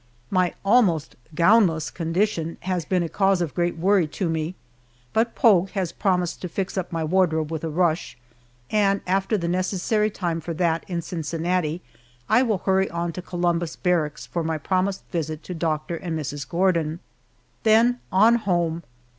My almost gownless condition has been a cause of great worry to me, but Pogue has promised to fix up my wardrobe with a rush, and after the necessary time for that in Cincinnati, I will hurry on to Columbus Barracks for my promised visit to Doctor and Mrs. Gordon. Then on home!